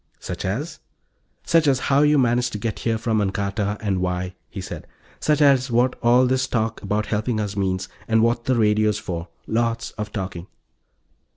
"Such as?" "Such as how you managed to get here from Ancarta, and why," he said. "Such as what all this talk about helping us means, and what the radio's for. Lots of talking."